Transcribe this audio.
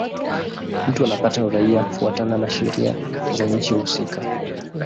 Mtu anapata uraia kufuatana na sheria za nchi husika.